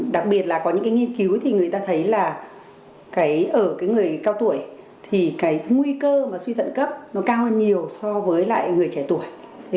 đặc biệt là có những cái nghiên cứu thì người ta thấy là ở người cao tuổi thì cái nguy cơ và suy thận cấp nó cao hơn nhiều so với lại người trẻ tuổi